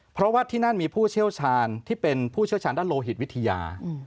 เพราะว่าที่นั่นมีผู้เชี่ยวชาญที่เป็นผู้เชี่ยวชาญด้านโลหิตวิทยา